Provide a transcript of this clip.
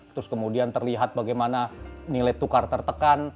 terus kemudian terlihat bagaimana nilai tukar tertekan